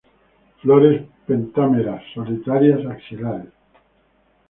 Flores pentámeras, solitarias, axilares.